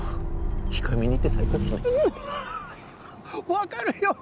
分かるよ。